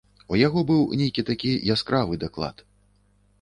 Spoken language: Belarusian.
У яго быў нейкі такі яскравы даклад.